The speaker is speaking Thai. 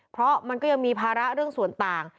เพราะมันก็ยังมีภาระเรื่องส่วนต่าง